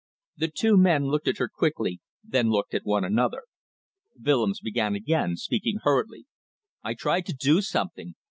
The two men looked at her quickly, and then looked at one another. Willems began again, speaking hurriedly "I tried to do something.